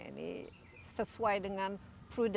ini sesuai dengan keadaan pemprov